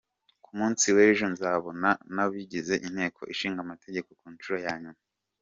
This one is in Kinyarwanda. Ku munsi w’ejo nzabonana n’abagize Inteko Ishinga Amategeko ku nshuro ya nyuma.